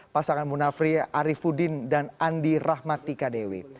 pasangan munafri arifudin dan andi rahmatika dewi